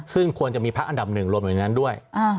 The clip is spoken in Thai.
ซึ่งควรจะมีพักอันดับหนึ่งรวมอยู่ในนั้นด้วย